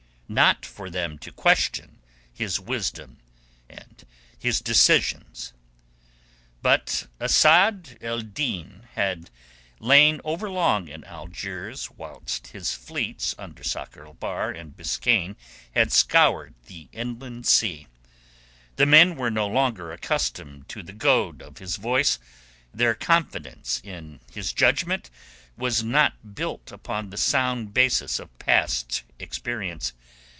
Not for them to question his wisdom and his decisions. But Asad ed Din had lain overlong in Algiers whilst his fleets under Sakr el Bahr and Biskaine had scoured the inland sea. The men were no longer accustomed to the goad of his voice, their confidence in his judgment was not built upon the sound basis of past experience.